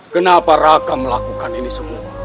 kenapa raka melakukan ini semua